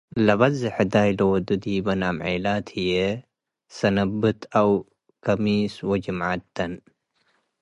ለበዜሕ ህዳይ ለወዱ ዲበን አምዔላት ህዩዬ፣ ሰነብት አው ከሚስ ወጅምዐት ተን ።